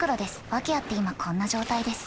訳あって今こんな状態です。